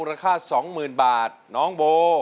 ร้องโบร้อง